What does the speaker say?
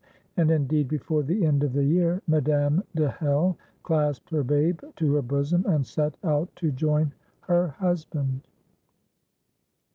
And, indeed, before the end of the year, Madame de Hell clasped her babe to her bosom, and set out to join her husband.